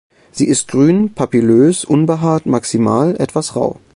Sie ist grün, papillös, unbehaart, maximal etwas rau.